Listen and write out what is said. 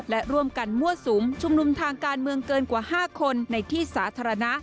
และร่วมกันมั่วสุมชุมนุมทางการเมืองเกินกว่า๕คนในที่สาธารณะ